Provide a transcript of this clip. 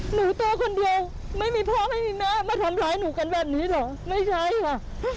หนูตัวคนเดียวไม่มีพ่อไม่มีแม่มาทำร้ายหนูกันแบบนี้เหรอไม่ใช่ค่ะ